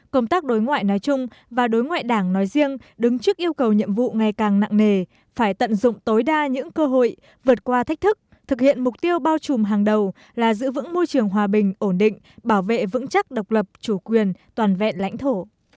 công tác đối ngoại nói chung và đối ngoại đảng nói riêng đứng trước yêu cầu nhiệm vụ ngày càng nặng nề phải tận dụng tối đa những cơ hội vượt qua thách thức thực hiện mục tiêu bao trùm hàng đầu là giữ vững môi trường hòa bình ổn định bảo vệ vững chắc độc lập chủ quyền toàn vẹn lãnh thổ